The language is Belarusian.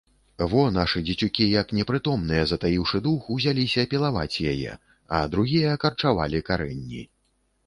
Во, нашы дзецюкі, як непрытомныя, затаіўшы дух, узяліся пілаваць яе, а другія карчавалі карэнні.